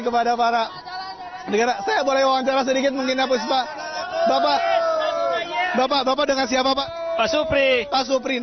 kepada para negara saya boleh wawancara sedikit mungkin ya puspa bapak bapak dengan siapa pak supri pak supri